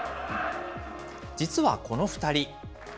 実はこの２人。